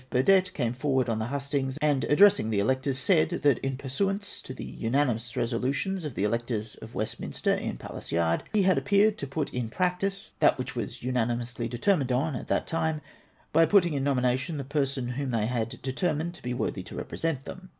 Buedett came forward on the hustings, and, addressing the electors, said, that in pursuance to the unanimous resolutions of the electors of Westminster in Palace Yard, he had appeared to put in practice that which was unanimously determined on at that time, by putting in nomination the person whom they had then determined to be worthy to represent them.